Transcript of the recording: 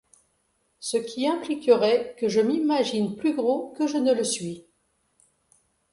Ce qui impliquerait que je m’imagine plus gros que je ne le suis.